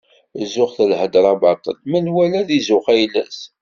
Zzux d lhedra baṭel, menwala ad izuxx ayla-s.